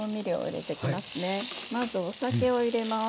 まずお酒を入れます。